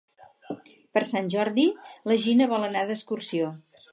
Per Sant Jordi na Gina vol anar d'excursió.